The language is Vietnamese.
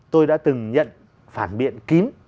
tôi đã từng nhận phản biện kín